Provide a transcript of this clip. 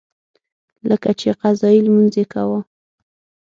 لکه چې قضایي لمونځ یې کاوه.